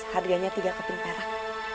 harganya tiga keping perak